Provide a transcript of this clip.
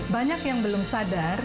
banyak yang belum sadar